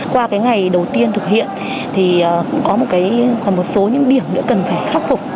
qua cái ngày đầu tiên thực hiện thì có một số những điểm nữa cần phải khắc phục